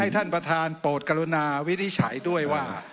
ท่านประธานโปรดกรุณาวินิจฉัยด้วยว่า